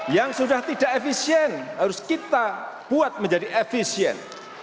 yang sudah tidak efisien harus kita buat menjadi efisien